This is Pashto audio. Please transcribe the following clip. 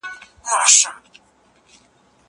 هغه څوک چي ليک لولي پوهه اخلي!؟